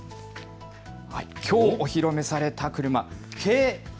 きょうお披露目された車、軽ＥＶ。